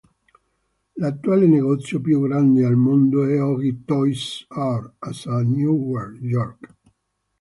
L'attuale negozio più grande al mondo è oggi Toys "R" Us a New York.